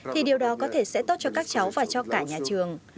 thì điều đó có thể sẽ tốt cho các cháu và cho cả nhà trường